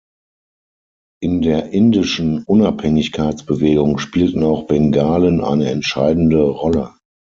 In der indischen Unabhängigkeitsbewegung spielten auch Bengalen eine entscheidende Rolle.